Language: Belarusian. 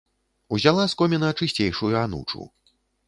Узяла з коміна чысцейшую анучу.